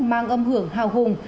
mang âm hưởng hào hùng